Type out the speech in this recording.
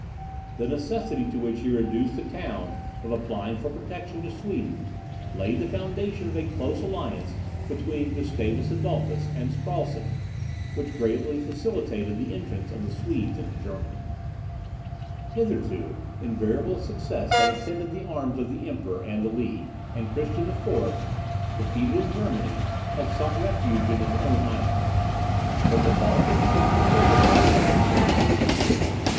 The necessity to which he reduced the town of applying for protection to Sweden, laid the foundation of a close alliance between Gustavus Adolphus and Stralsund, which greatly facilitated the entrance of the Swedes into Germany. Hitherto invariable success had attended the arms of the Emperor and the League, and Christian IV., defeated in Germany, had sought refuge in his own islands; but the Baltic checked the further progress of the conquerors.